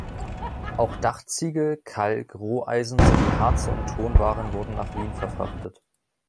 Auch Dachziegel, Kalk, Roheisen sowie Harze und Tonwaren wurden nach Wien verfrachtet.